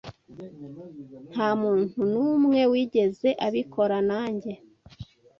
Nta muntu n'umwe wigeze abikora nanjye.